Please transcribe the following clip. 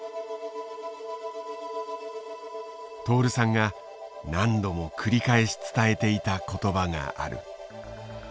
徹さんが何度も繰り返し伝えていた言葉がある。